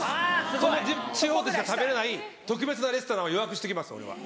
その地方でしか食べれない特別なレストランを予約して行きます俺は。